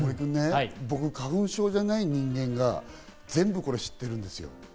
花粉症じゃない人間が全部これ知ってるんですよ。